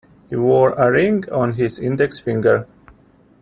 He wore a ring on his index finger.